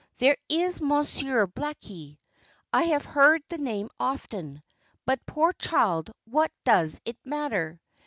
"There is a Monsieur Blackie. I have heard the name often. But, poor child, what does it matter?"